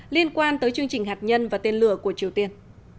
liên quan tới chương trình hạt nhân và tên lửa của triều tiên